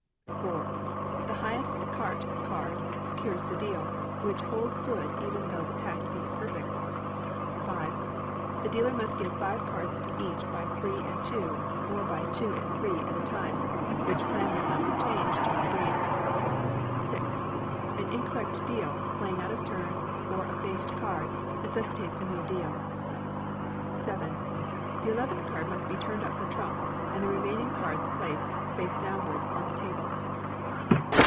iv. The highest ecarté card cut secures the deal, which holds good even though the pack be imperfect. v. The dealer must give five cards to each by three and two, or by two and three, at a time, which plan must not be changed, during the game. vi. An incorrect deal, playing out of turn, or a faced card, necessitates a new deal. vii. The eleventh card must be turned up for trumps; and the remaining cards placed, face downwards, on the table.